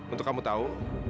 untuk kamu tau